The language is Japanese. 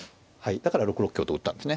だから６六香と打ったんですね。